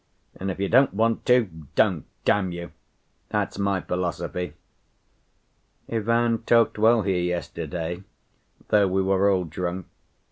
And if you don't want to, don't, damn you! That's my philosophy. Ivan talked well here yesterday, though we were all drunk.